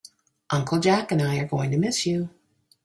Uncle Jack and I are going to miss you.